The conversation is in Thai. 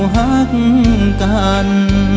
หักกัน